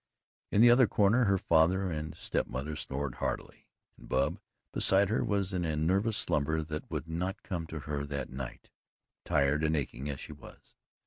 In the other corner her father and stepmother snored heartily, and Bub, beside her, was in a nerveless slumber that would not come to her that night tired and aching as she was.